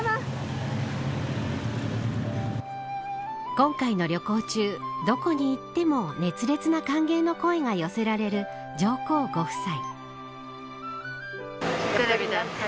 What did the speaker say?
今回の旅行中どこに行っても熱烈な歓迎の声が寄せられる上皇ご夫妻。